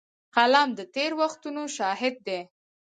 قلم د تېر وختونو شاهد دی